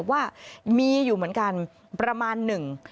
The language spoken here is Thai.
ว่ามีอยู่เหมือนกันประมาณหนึ่ง